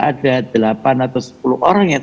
ada delapan atau sepuluh orang yang